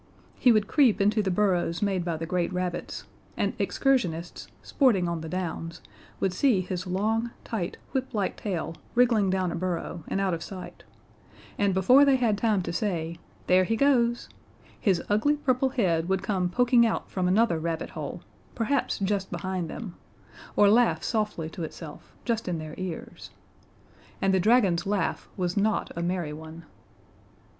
He would creep into the burrows made by the great rabbits; and excursionists, sporting on the downs, would see his long, tight, whiplike tail wriggling down a burrow and out of sight, and before they had time to say, "There he goes," his ugly purple head would come poking out from another rabbit hole perhaps just behind them or laugh softly to itself just in their ears. And the dragon's laugh was not a merry one.